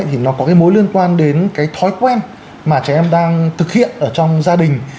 thì nó có cái mối liên quan đến cái thói quen mà trẻ em đang thực hiện ở trong gia đình